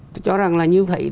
tôi cho rằng là như vậy